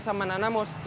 saya mau rangkaikan